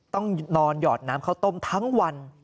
ต้องนอนหยอดน้ำข้าวต้มทั้งวัน